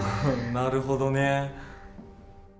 なるほどね。